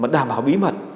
đảm bảo bí mật